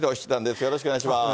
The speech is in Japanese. よろしくお願いします。